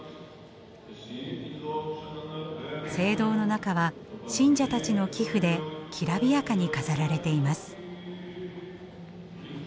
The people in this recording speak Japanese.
聖堂の中は信者たちの寄付できらびやかに飾られています。